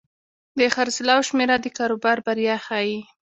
د خرڅلاو شمېره د کاروبار بریا ښيي.